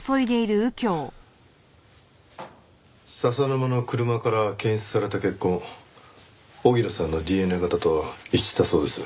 笹沼の車から検出された血痕荻野さんのＤＮＡ型と一致したそうです。